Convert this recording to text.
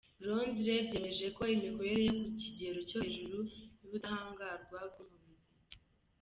Londres byemejeko imikorere yo ku kigero cyo hejuru y’ubudahangarwa bw’umubiri